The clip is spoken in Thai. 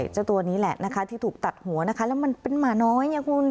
เจ้าตัวนี้แหละนะคะที่ถูกตัดหัวนะคะแล้วมันเป็นหมาน้อยไงคุณ